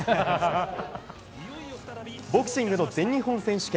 ボクシングの全日本選手権。